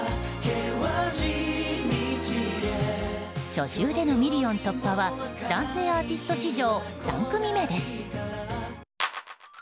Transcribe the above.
初週でのミリオン突破は男性アーティスト史上３組目です。